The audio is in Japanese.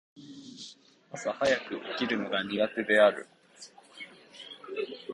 朝早く起きるのが苦手である。